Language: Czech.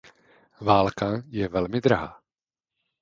Válka je velmi drahá.